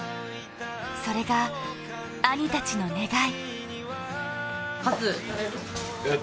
それが兄たちの願い。